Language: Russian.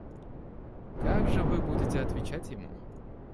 Как же вы будете отвечать ему?